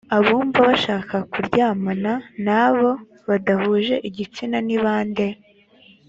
abumva bashaka kuryamana n abo badahuje igitsina nibande